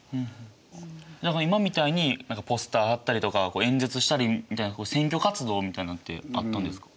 何か今みたいにポスター貼ったりとか演説したりみたいな選挙活動みたいなのってあったんですか？